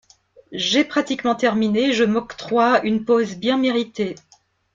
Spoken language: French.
J’ai pratiquement terminé et je m’octroie une pause bien méritée.